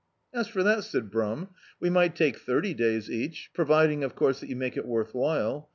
"As for that," sad Brum, "we might take thirty days each, providing of course, that you made it worth while.